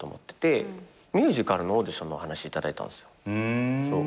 ミュージカルのオーディションのお話頂いたんですよ。